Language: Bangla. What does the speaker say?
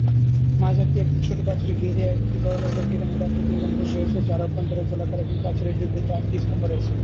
মাজারটি একটি ছোট প্রাচীর ঘিরে একটি বর্গাকার পিরামিড আকৃতির গম্বুজ রয়েছে, যার অভ্যন্তর গোলাকার এবং প্রাচীরের বিপরীতে আটটি স্তম্ভ রয়েছে।